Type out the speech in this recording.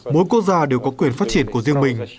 mỗi quốc gia đều có quyền phát triển của riêng mình